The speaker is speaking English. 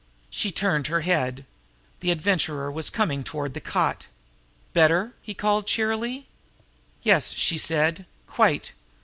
She turned her head. The Adventurer was coming toward the cot. "Better?" he called cheerily. "Yes," she said. "Quite!